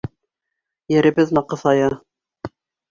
Еребеҙ наҡыҫая.